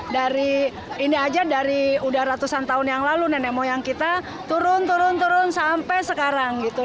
dari ini aja dari udah ratusan tahun yang lalu nenek moyang kita turun turun turun sampai sekarang gitu